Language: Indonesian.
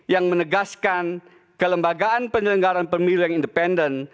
yang menegaskan kelembagaan penyelenggaraan pemilihan independen